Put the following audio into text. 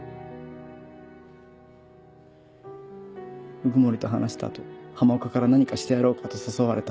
鵜久森と話した後浜岡から何かしてやろうかと誘われた。